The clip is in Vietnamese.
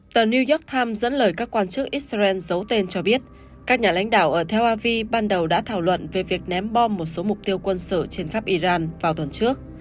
tờ new york times dẫn lời các quan chức israel giấu tên cho biết các nhà lãnh đạo ở tel avi ban đầu đã thảo luận về việc ném bom một số mục tiêu quân sự trên khắp iran vào tuần trước